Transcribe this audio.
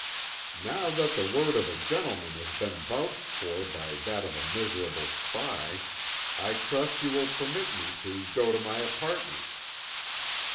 "Now that the word of a gentleman has been vouched for by that of a miserable spy, I trust you will permit me to go to my apartments."